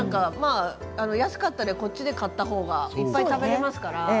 安かったらこっちで買ったほうがいっぱい食べられますから。